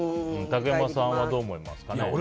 竹山さんはどう思いますかね。